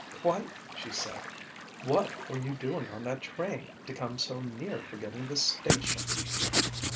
"Quite!" she said. "What were you doing on that train, to come so near forgetting the station?"